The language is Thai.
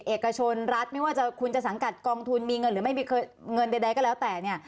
เอกชนรัฐไม่ว่าคุณจะสังกัดกองทุนมีเงินหรือไม่มีเงินใดก็แล้วแต่เนี่ย